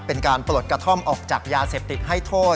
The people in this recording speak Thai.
เป็นการปลดกระท่อมออกจากยาเสพติดให้โทษ